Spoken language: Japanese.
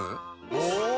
お！